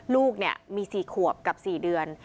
ลูกเนี่ยมี๔ขวบกับ๔เดือน